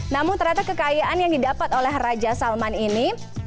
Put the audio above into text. namun ternyata kekayaan yang didapat oleh raja salman ini